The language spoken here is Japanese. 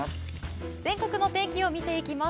全国の天気を見ていきます。